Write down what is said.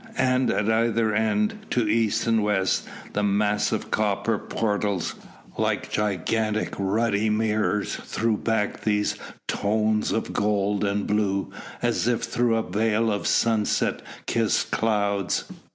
And at either end, to east and west the massive copper portals, like gigantic ruddy mirrors threw back these tones of gold and blue as if through a veil of sunset kissed clouds.